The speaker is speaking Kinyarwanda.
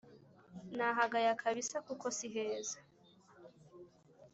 nahagaya kabisa kuko siheza